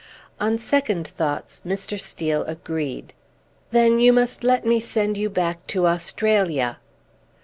On second thoughts, Mr. Steel agreed. "Then you must let me send you back to Australia."